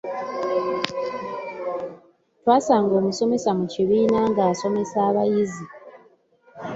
Twasanga omusomesa mu kibiina ng'asomesa abayizi.